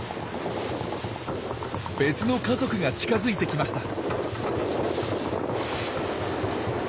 別の家族が近づいてきました。